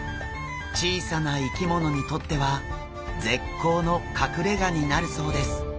小さな生き物にとっては絶好の隠れがになるそうです。